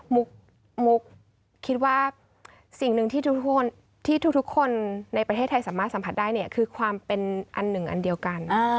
มุกคิดว่าสิ่งหนึ่งที่ทุกคนที่ทุกคนในประเทศไทยสามารถสัมผัสได้เนี่ยคือความเป็นอันหนึ่งอันเดียวกัน